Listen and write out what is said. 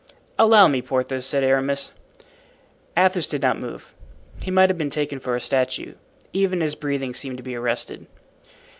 "Allow me, Porthos," said Aramis. Athos did not move. He might have been taken for a statue. Even his breathing seemed to be arrested.